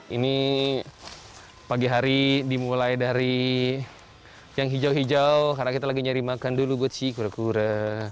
ini pagi hari dimulai dari yang hijau hijau karena kita lagi nyari makan dulu buat sih kura kura